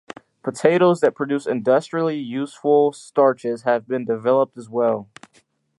Potatoes that produce industrially useful starches have been developed as well.